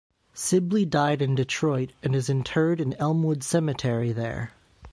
Sibley died in Detroit and is interred in Elmwood Cemetery there.